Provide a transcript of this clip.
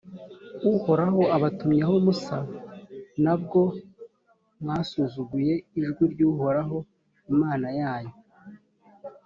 uhoraho abatumyeho musa na bwo mwasuzuguye ijwi ry’uhoraho imana yanyu,